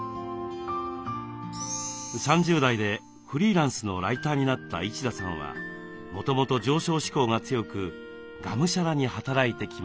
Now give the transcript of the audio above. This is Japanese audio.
３０代でフリーランスのライターになった一田さんはもともと上昇志向が強くがむしゃらに働いてきました。